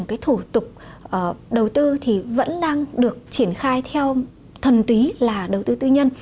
cái thủ tục đầu tư thì vẫn đang được triển khai theo thuần túy là đầu tư tư nhân